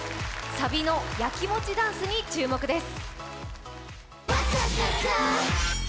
サビのヤキモチダンスに注目です。